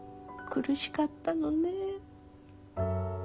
苦しかったのね。